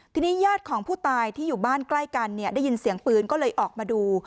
ทีนี้ญาติของผู้ตายที่อยู่บ้านใกล้กันเนี่ยได้ยินเสียงปืนก็เลยออกมาดู